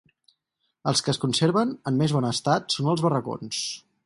Els que es conserven en més bon estat són els barracons.